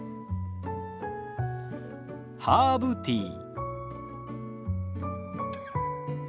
ハーブティー。